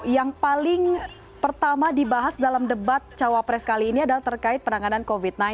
yang paling pertama dibahas dalam debat cawapres kali ini adalah terkait penanganan covid sembilan belas